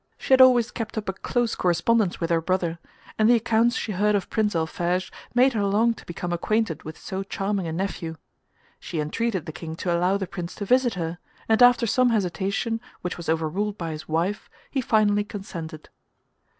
She had always kept up a close correspondence with her brother, and the accounts she heard of Prince Alphege made her long to become acquainted with so charming a nephew. She entreated the King to allow the Prince to visit her, and after some hesitation which was overruled by his wife, he finally consented.